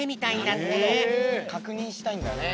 かくにんしたいんだね。